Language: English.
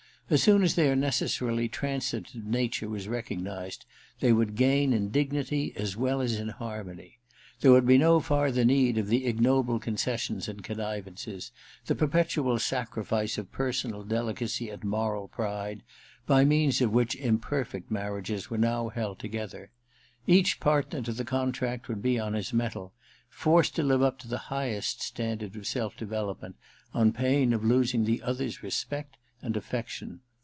As soon as their necessarily transitive nature was recognized they would gain in dignity as well as in harmony. There would be no further need of the ignoble conces sions and connivances, the perpetual sacrifice of personal delicacy and moral pride, by means of which imperfect marriages were now held together. Each partner to the contract would be on his mettle, forced to live up to the highest standard of self development, on pain of losing the other's respect and affection.